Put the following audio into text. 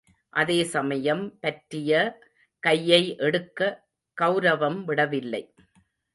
அதேசமயம் பற்றிய கையை எடுக்க கெளரவம் விடவில்லை.